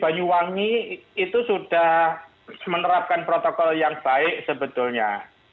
banyuwangi itu sudah menerapkan protokol yang baik sebetulnya